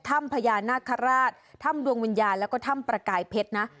ถ้ำพญานาคาราชถ้ำดวงวิญญาณแล้วก็ถ้ำประกายเพชรนะ